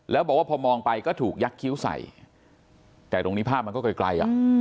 แล้วบอกว่าพอมองไปก็ถูกยักษิ้วใส่แต่ตรงนี้ภาพมันก็ไกล